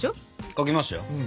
書きましたよ。